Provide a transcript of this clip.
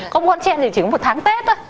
có muôn con chen thì chỉ có một tháng tết